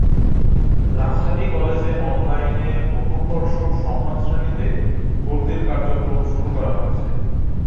রাজশাহী কলেজে অনলাইনে প্রথম বর্ষ সম্মান শ্রেণীতে ভর্তির কার্যক্রম শুরু করা হয়েছে।